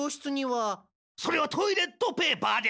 それはトイレットペーパーです！